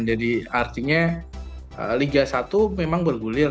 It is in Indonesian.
jadi artinya liga satu memang bergulir